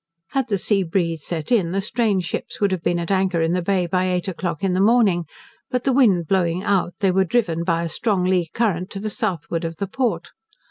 Had the sea breeze set in, the strange ships would have been at anchor in the Bay by eight o'clock in the morning, but the wind blowing out, they were driven by a strong lee current to the southward of the port.